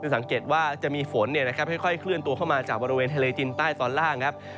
สังเกตว่าจะมีฝนค่อยเคลื่อนตัวเข้ามาจากบริเวณทะเลจินใต้ตอนล่างครับ